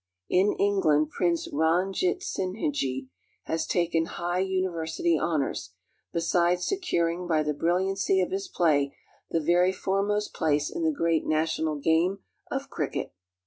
In England Prince Ranjitsinhji has taken high university honors, besides securing by the brilliancy of his play the very foremost place in the great national game of cricket.